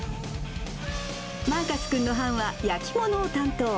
マーカス君の班は、焼き物を担当。